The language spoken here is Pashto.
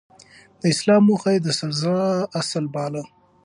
د اصلاح موخه يې د سزا اصل باله.